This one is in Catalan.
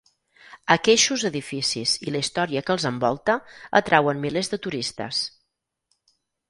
Aqueixos edificis i la història que els envolta atrauen milers de turistes.